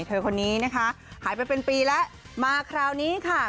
เธอคนนี้นะคะหายไปเป็นปีแล้วมาคราวนี้ค่ะ